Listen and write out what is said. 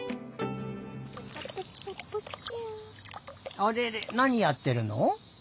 あれれなにやってるの？